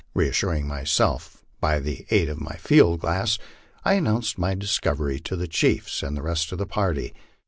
Reassuring myself by the aid of my field glass, I announced my disco very to the chiefs and the rest of the party.